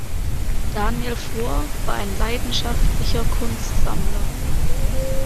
Daniel Fohr war ein leidenschaftlicher Kunstsammler.